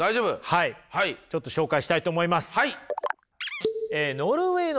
はいちょっと紹介したいと思います。